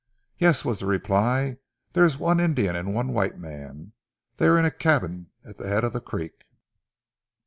"Yes," was the reply. "There is one Indian and one white man. They are in a cabin at the head of the creek."